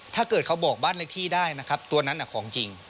ถ้าเกิดเขาบอกบ้านเล็กที่ได้ตัวนั้นคือของจริง